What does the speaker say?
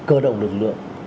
cơ động lực lượng